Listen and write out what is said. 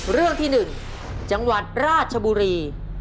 เรื่องที่๑จังหวัดราชบุรี